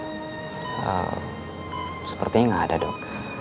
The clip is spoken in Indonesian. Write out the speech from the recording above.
eeeh sepertinya gak ada dok